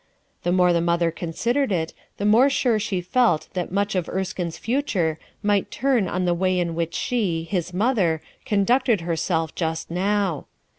The more the mother considered it, the more sure she felt that much of Erskine's future might turn on the way in which she, his mother, con ducted herself just now.